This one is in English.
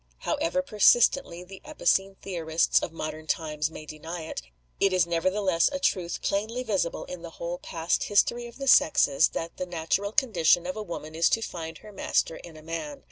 However persistently the epicene theorists of modern times may deny it, it is nevertheless a truth plainly visible in the whole past history of the sexes that the natural condition of a woman is to find her master in a man.